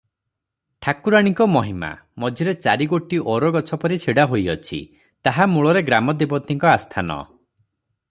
ଠାକୁରାଣୀଙ୍କ ମହିମା! ମଝିରେ ଚାରିଗୋଟି ଓର ଗଛପରି ଛିଡ଼ାହୋଇଅଛି, ତାହା ମୂଳରେ ଗ୍ରାମ ଦେବତୀଙ୍କ ଆସ୍ଥାନ ।